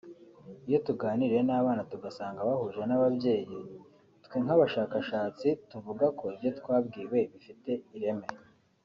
Iyo tuganiriye n’abana tugasanga bahuje n’ababyeyi twe nk’abashakashatsi tuvuga ko ibyo twabwiwe bifite ireme